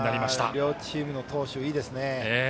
両チームの投手がいいです。